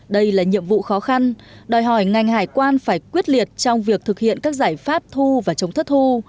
đây là nhiệm vụ khó khăn đòi hỏi ngành hải quan phải quyết liệt trong việc thực hiện các giải pháp thu và chống thất thu